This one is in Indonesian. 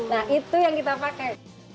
nah itu yang kita pakai